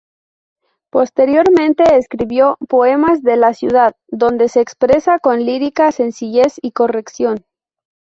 Posteriormente escribió "Poemas de la ciudad", donde se expresa con lírica sencillez y corrección.